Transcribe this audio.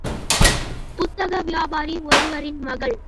புத்தக வியாபாரி ஒருவரின் மகள்.